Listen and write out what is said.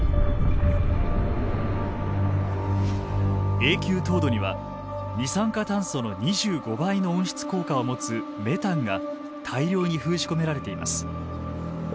永久凍土には二酸化炭素の２５倍の温室効果を持つメタンが大量に封じ込められています。